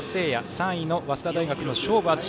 ３位の早稲田大学の菖蒲敦司。